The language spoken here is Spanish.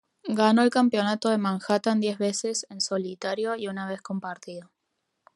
Ganó el Campeonato de Manhattan diez veces en solitario y una vez compartido.